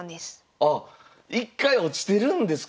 あ１回落ちてるんですか